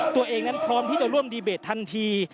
ตัวเองนั้นพร้อมที่จะร่วมดีเบตทันที